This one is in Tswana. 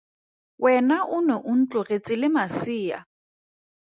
Wena o ne o ntlogetse le masea.